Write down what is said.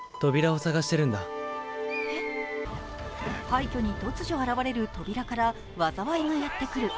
廃虚に突如現れる扉から災いがやってくる。